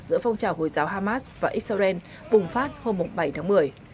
giữa phong trào hồi giáo hamas và israel bùng phát hôm bảy tháng một mươi